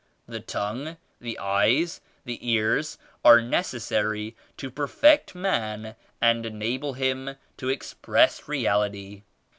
The tongue, the eyes, the ears are necessary to perfect man and enable him to ex press Reality.